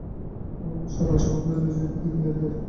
সবাই সবার প্রয়োজনীয় জিনিসপত্র কিনে নিয়ে যায়।